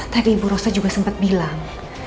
tadi ibu rosa juga sempat bilang